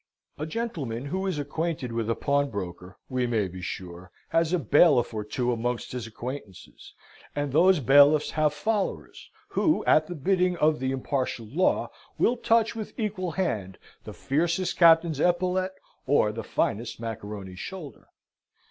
A gentleman who is acquainted with a pawnbroker, we may be sure has a bailiff or two amongst his acquaintances; and those bailiffs have followers who, at the bidding of the impartial Law, will touch with equal hand the fiercest captain's epaulet or the finest macaroni's shoulder.